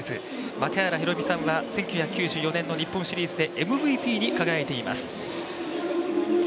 槙原寛己さんは１９９４年の日本シリーズでＭＶＰに輝いています。